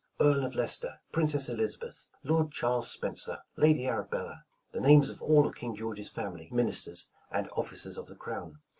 "Earl of Leicester," ''Princess Elizabeth," ''Lord Charles Spencer," "Lady Arabella," "the names of all of King George's family, ministers, and officers of the Crown."